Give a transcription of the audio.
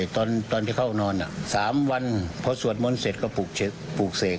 ตอนที่เข้านอน๓วันพอสวดมนต์เสร็จก็ปลูกเสก